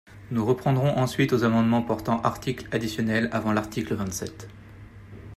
Nous reprendrons ensuite aux amendements portant article additionnel avant l’article vingt-sept.